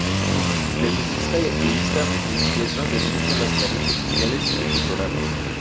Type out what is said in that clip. Feminista y activista en sus letras denuncia las carencias sociales y culturales.